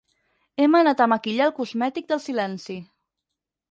Hem anat a maquillar el cosmètic del silenci.